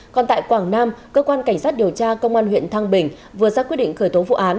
còn tại quảng nam cơ quan cảnh sát điều tra công an huyện thăng bình vừa ra quyết định khởi tố vụ án